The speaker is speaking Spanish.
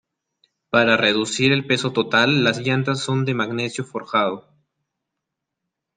Para reducir el peso total, las llantas son de magnesio forjado.